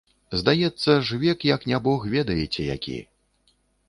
Здаецца ж, век як не бог ведаеце які.